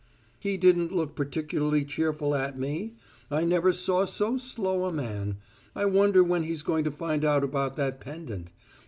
"He didn't look particularly cheerful at me. I never saw so slow a man: I wonder when he's going to find out about that pendant.